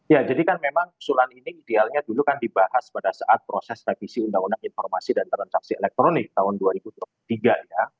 ya jadi kan memang usulan ini idealnya dulu kan dibahas pada saat proses revisi undang undang informasi dan transaksi elektronik tahun dua ribu dua puluh tiga ya